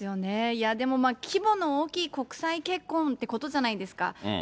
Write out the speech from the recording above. いやでも、規模の大きい国際結婚ってことじゃないですか。